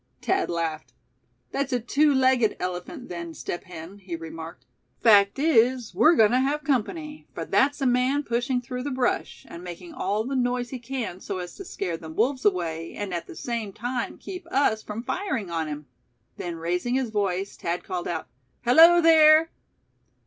Thad laughed. "That's a two legged elephant, then, Step Hen," he remarked. "Fact is, we're going to have company, for that's a man pushing through the brush, and making all the noise he can, so as to scare the wolves away, and at the same time keep us from firing on him." Then raising his voice, Thad called out: "Hello, there!"